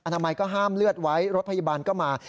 นามัยก็ห้ามเลือดไว้รถพยาบาลก็มา